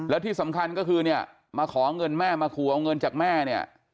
แล้วที่สำคัญก็คือเนี่ยมาขอเงินแม่มาขู่เอาเงินจากแม่เนี่ย